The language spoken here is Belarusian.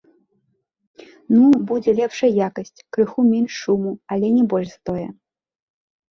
Ну, будзе лепшай якасць, крыху менш шуму, але не больш за тое.